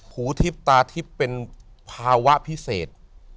หูทิบตาทิบเป็นภาวะพิเศษ